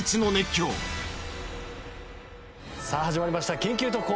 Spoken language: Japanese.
さあ始まりました『緊急特報！